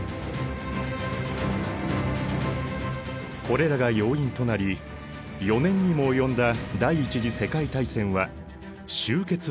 これらが要因となり４年にも及んだ第一次世界大戦は終結を迎えた。